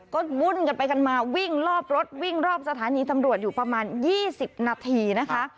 ก็วุ่นกันไปกันมาวิ่งรอบรถวิ่งรอบสถานีตำรวจอยู่ประมาณ๒๐นาทีนะคะ